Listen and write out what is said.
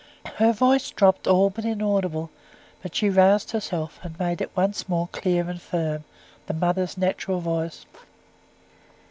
Her voice dropped all but inaudible; but she roused herself, and made it once more clear and firm, the mother's natural voice.